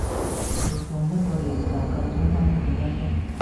活動一個月就夠鐘返屋企休息